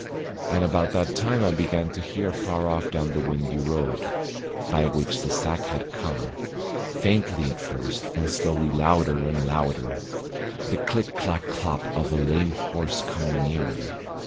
And about that time I began to hear far off down the windy road, by which that sack had come, faintly at first and slowly louder and louder, the click clack clop of a lame horse coming nearer.